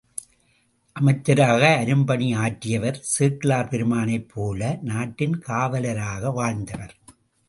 அமைச்சராக அரும்பணி ஆற்றியவர் சேக்கிழார் பெருமானைப் போல நாட்டின் காவலராக வாழ்ந்தவர்!